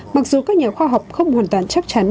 mặc dù các nhà khoa học không hoàn toàn chắc chắn